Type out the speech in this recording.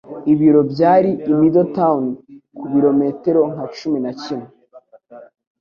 ibiro byari i Middletown ku birometero nka cumi na kimwe